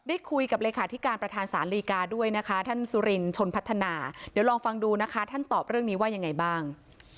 ได้คุยกับเลขาธิการประธานศาลดีกาด้วยนะคะท่านสุรินชนพัฒนาเดี๋ยวลองฟังดูนะคะท่านตอบเรื่องนี้ว่ายังไงบ้าง